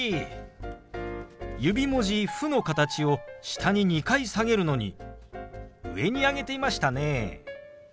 指文字「フ」の形を下に２回下げるのに上に上げていましたね。